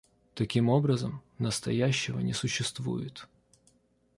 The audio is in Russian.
Таким образом, настоящего не существует.